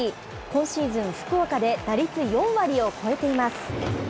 今シーズン、福岡で打率４割を超えています。